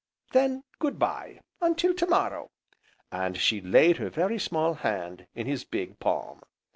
Then Good bye, until to morrow," and she laid her very small hand in his big palm.